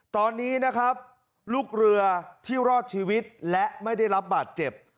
ตอนนี้นะครับลูกเรือที่รอดชีวิตและไม่ได้รับบาดเจ็บ